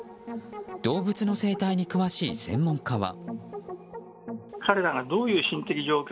動物の生態に詳しい専門家は。